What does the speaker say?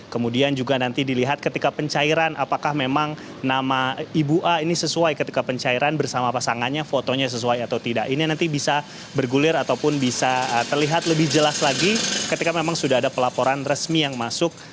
kemudian juga nanti dilihat ketika pencairan apakah memang nama ibu a ini sesuai ketika pencairan bersama pasangannya fotonya sesuai atau tidak ini nanti bisa bergulir ataupun bisa terlihat lebih jelas lagi ketika memang sudah ada pelaporan resmi yang masuk